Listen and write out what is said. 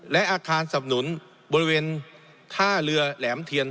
และอาคารสับหนุนบริเวณท่าเรือแหลมเทียน